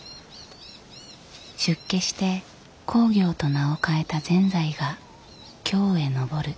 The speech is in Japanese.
出家して公暁と名を変えた善哉が京へ上る。